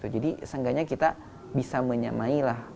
jadi seenggaknya kita bisa menyamai lah